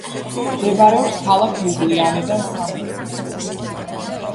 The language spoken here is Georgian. მდებარეობს ქალაქ ლიუბლიანიდან სამხრეთით.